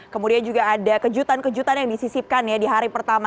kemudian juga ada kejutan kejutan yang disisipkan ya di hari pertama